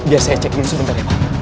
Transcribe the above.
biar saya cek dulu sebentar ya pak